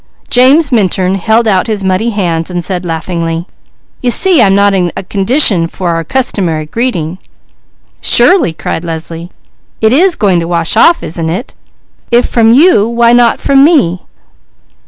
James Minturn held out his muddy hands as he said laughingly: "You see I'm not in condition for our customary greeting." "Surely!" cried Leslie. "It is going to wash off, isn't it? If from you, why not from me?"